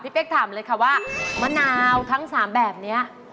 เป๊กถามเลยค่ะว่ามะนาวทั้ง๓แบบนี้